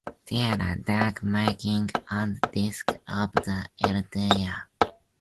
There are dark markings on the disc of the elytra.